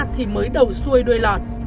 thì mới đầu xuôi đuôi lọt